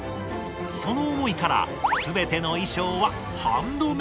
その思いから全ての衣装はハンドメイド。